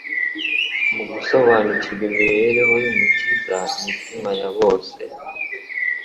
Mu gusobanukirwa imibereho y'Umukiza, imitima ya bose,